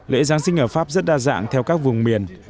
lễ giáng sinh ở pháp rất đa dạng theo các vùng miền